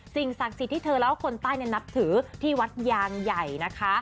ศักดิ์สิทธิ์ที่เธอแล้วก็คนใต้นับถือที่วัดยางใหญ่นะคะ